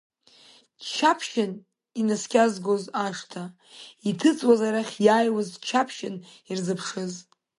Ччаԥшьын инаскьазгоз ашҭа иҭыҵуаз, арахь иааиуаз ччаԥшьын ирзыԥшыз.